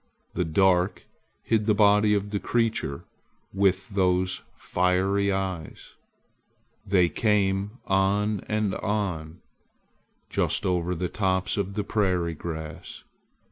The dark hid the body of the creature with those fiery eyes. They came on and on, just over the tops of the prairie grass.